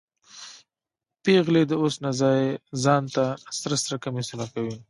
پیغلې د اوس نه ځان ته سره سره کمیسونه کوي